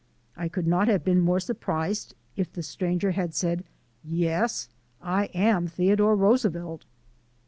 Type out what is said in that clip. I could not have been more surprised if the stranger had said, "Yes, I am Theodore Roosevelt."